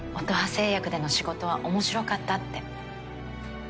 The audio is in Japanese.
製薬での仕事は面白かったって。